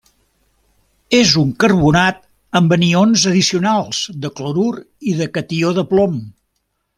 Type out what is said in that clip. És un carbonat amb anions addicionals de clorur i el catió de plom.